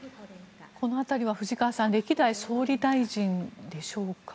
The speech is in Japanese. この辺りは藤川さん歴代総理大臣でしょうか。